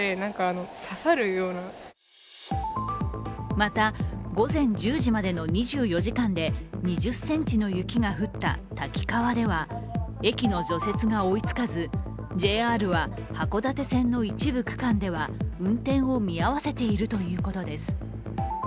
また午前１０時までの２４時間で２０ｃｍの雪が降った滝川では、駅の除雪が追いつかずＪＲは函館線の一部区間では運転を見合わせているということです。